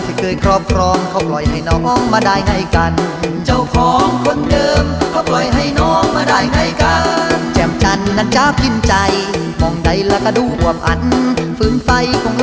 ที่เคยครอบครองเค้าปล่อยให้น้องมาด่ายในกัน